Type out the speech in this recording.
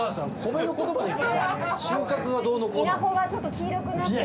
稲穂がちょっと黄色くなってて。